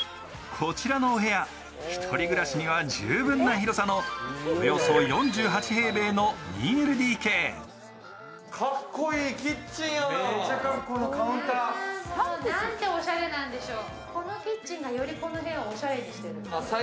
こちらのお部屋、ひとり暮らしには十分な広さのおよそ４８平米の２ＬＤＫ。なんてオシャレなんでしょう。